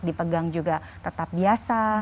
dipegang juga tetap biasa